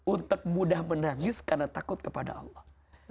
untuk mudah menangis karena takut kepada allah